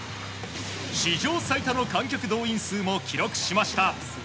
史上最多の観客動員数も記録しました。